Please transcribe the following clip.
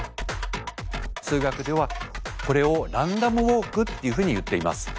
数学ではこれをランダムウォークっていうふうにいっています。